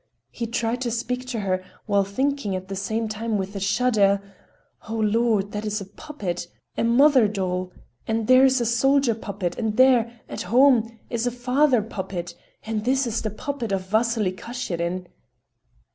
He tried to speak to her, while thinking at the same time with a shudder: "O Lord! That is a puppet. A mother doll. And there is a soldier puppet, and there, at home, is a father puppet, and this is the puppet of Vasily Kashirin."